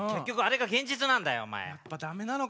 結局あれが現実なんだよお前。